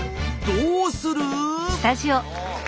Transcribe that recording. どうする！？